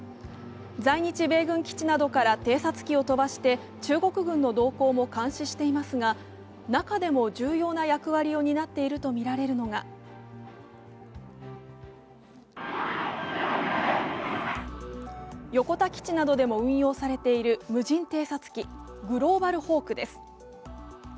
在日米軍基地などから偵察機を飛ばして中国軍の動向も監視していますが、中でも重要な役割を担っているとみられるのが横田基地などでも運用されている無人偵察機グローバルホークです。